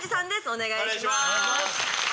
お願いします！